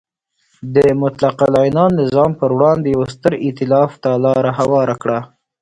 د مطلقه العنان نظام پر وړاندې یو ستر ایتلاف ته لار هواره کړه.